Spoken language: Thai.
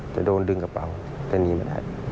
จะโดนดึงกระเป๋าแต่หนีไม่ได้